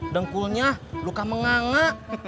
dengkulnya luka mengange